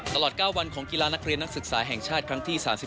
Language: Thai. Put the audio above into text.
ตลอด๙วันของกีฬานักเรียนนักศึกษาแห่งชาติครั้งที่๓๔